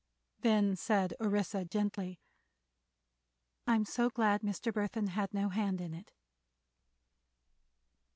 Then said Orissa, gently: "I'm so glad Mr. Burthon had no hand in it!"